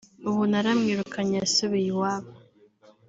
ubu naramwirukanye yasubiye iwabo